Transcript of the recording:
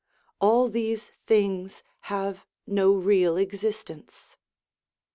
All these things have no real existence.